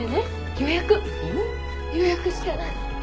予約してない。